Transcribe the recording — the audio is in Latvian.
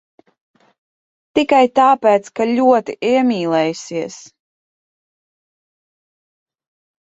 Tikai tāpēc, ka ļoti iemīlējusies.